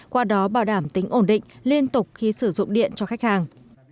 qua đó bảo đảm tính ổn định liên tục khi sử dụng điện cho khách hàng